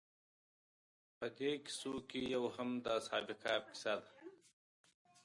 په دې کیسو کې یو هم د اصحاب کهف کیسه ده.